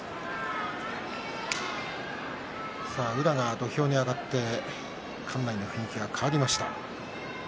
宇良が土俵に上がって館内の雰囲気が変わりました。